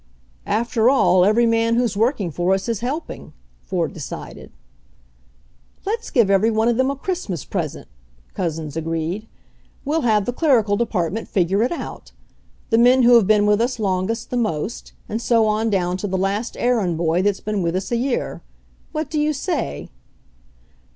"After all, every man who's working for us is helping," Ford decided. "Let's give every one of them a Christmas present." Couzens agreed. "We'll have the clerical department figure it out. The men who have been with us longest the most, and so on down to the last errand boy that's been with us a year. What do you say